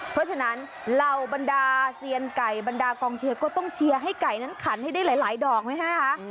เพราะฉะนั้นเหล่าบรรดาเซียนไก่บรรดากองเชียร์ก็ต้องเชียร์ให้ไก่นั้นขันให้ได้หลายดอกไหมคะ